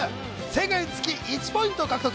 正解につき１ポイント獲得。